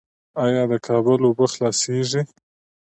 آیا د کابل اوبه خلاصیږي؟